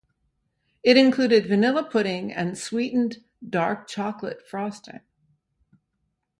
It included vanilla pudding and sweetened dark chocolate frosting.